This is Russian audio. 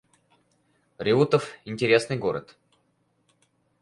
Реутов — интересный город